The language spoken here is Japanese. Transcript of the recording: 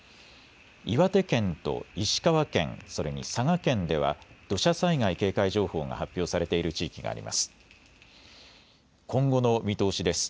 岩手県と石川県、それに佐賀県では土砂災害警戒情報が発表されている地域があります。